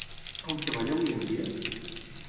On treballa avui en dia?